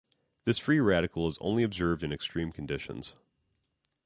This free radical is only observed in extreme conditions.